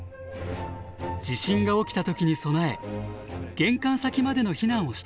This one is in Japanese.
地震が起きた時に備え玄関先までの避難をしてみます。